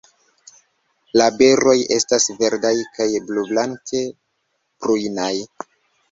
La beroj estas verdaj kaj blublanke prujnaj.